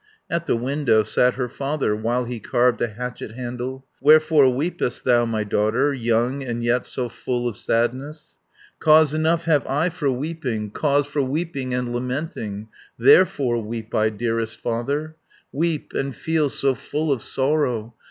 At the window sat her father, While he carved a hatchet handle. 40 "Wherefore weepest thou, my daughter, Young, and yet so full of sadness?" "Cause enough have I for weeping, Cause for weeping and lamenting. Therefore weep I, dearest father, Weep, and feel so full of sorrow.